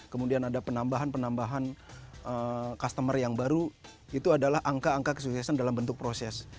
kemudian ada penambahan penambahan customer yang baru itu adalah angka angka kesuksesan dalam bentuk proses